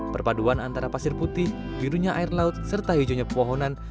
perpaduan antara pasir putih birunya air laut serta hijaunya pepohonan